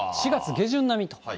４月下旬並み。